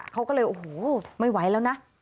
เขาก็เลยโอ้โหไม่ไหวแล้วนะ